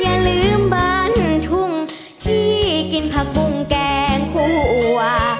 อย่าลืมบ้านทุ่งที่กินผักบุ้งแกงคั่ว